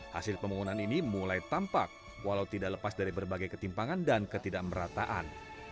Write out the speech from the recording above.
hasil pembangunan ini mulai tampak walau tidak lepas dari berbagai ketimpangan dan ketidakmerataan